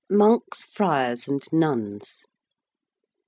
MONKS, FRIARS, AND NUNS.